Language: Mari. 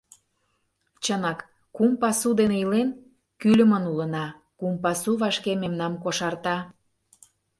Чынак, кум пасу дене илен, кӱльымын улына, кум пасу вашке мемнам кошарта.